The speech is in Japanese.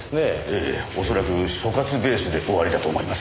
ええおそらく所轄ベースで終わりだと思います。